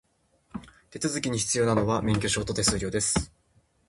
手続きに必要なのは、免許証と手数料です。